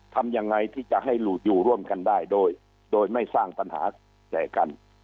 ทำยังไงที่จะให้อยู่ร่วมกันได้โดยไม่สร้างปัญหาแก่กัน